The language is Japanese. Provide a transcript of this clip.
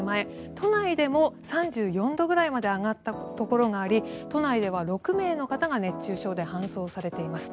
都内でも３４度ぐらいまで上がったところがあり都内では６名の方が熱中症で搬送されています。